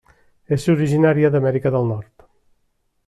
És originària d'Amèrica del Nord.